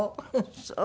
そう。